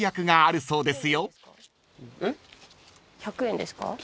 １００円ですか？